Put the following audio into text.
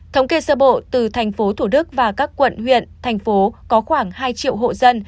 thống kê sơ bộ từ tp hcm và các quận huyện thành phố có khoảng hai triệu hộ dân